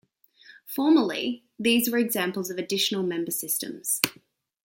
Formally, these were examples of additional member systems.